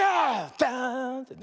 ダーンってね。